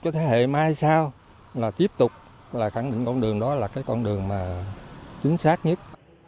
cho thế hệ mai sau là tiếp tục là khẳng định con đường đó là cái con đường mà chính xác nhất